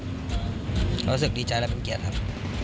รู้สึกดีใจและเป็นเกียรติครับ